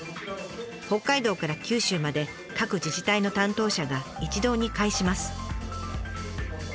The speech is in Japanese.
北海道から九州まで各自治体の担当者が一堂に会します。